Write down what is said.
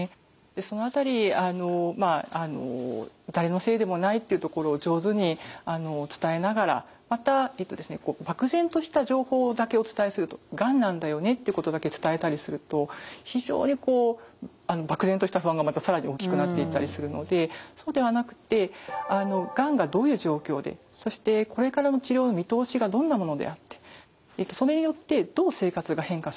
その辺り誰のせいでもないっていうところを上手に伝えながらまた漠然とした情報だけお伝えすると「がんなんだよね」ってことだけ伝えたりすると非常に漠然とした不安がまた更に大きくなっていったりするのでそうではなくってがんがどういう状況でそしてこれからの治療の見通しがどんなものであってそれによってどう生活が変化するのか。